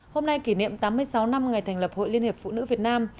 hôm nay kỷ niệm tám mươi sáu năm ngày thành lập hội liên hiệp phụ nữ việt nam